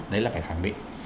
đấy là phải khẳng định